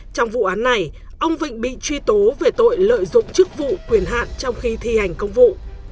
trong vụ án này ông vịnh bị truy tố về tội lợi dụng chức vụ quyền hạn trong khi thi hành công vụ